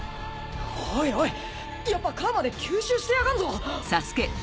おいおいやっぱ楔で吸収してやがんぞ！